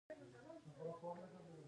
دوی د کوچنیو سوداګریو ملاتړ کوي.